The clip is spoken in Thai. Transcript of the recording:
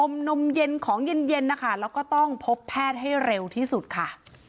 นมเย็นของเย็นนะคะแล้วก็ต้องพบแพทย์ให้เร็วที่สุดค่ะ